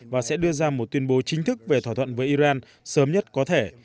và sẽ đưa ra một tuyên bố chính thức về thỏa thuận với iran sớm nhất có thể